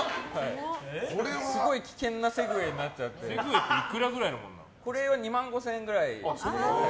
すごい危険なセグウェイってこれは２万５０００円ぐらい。